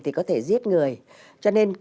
thì có thể giết người cho nên